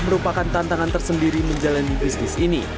merupakan tantangan tersendiri menjalani bisnis ini